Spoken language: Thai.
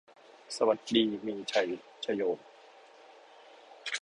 สวัสดีมีชัย ชโย